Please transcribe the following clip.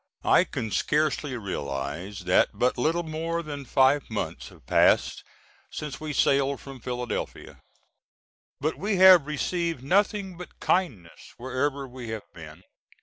I can scarcely realize that but little more than five months have passed since we sailed from Philadelphia. But we have received nothing but kindness wherever we have been.